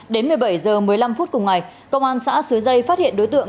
đến một mươi bảy h một mươi năm cùng ngày công an xã xuế dây phát hiện đối tượng